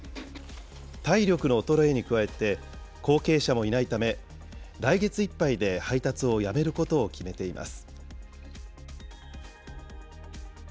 体力の衰えに加えて、後継者もいないため、来月いっぱいで配達をやめることを決めています。